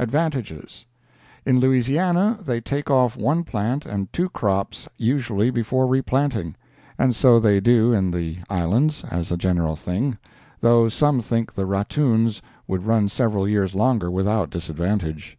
ADVANTAGES In Louisiana they take off one plant and two crops usually before replanting, and so they do in the Islands, as a general thing, though some think the ratoons would run several years longer without disadvantage.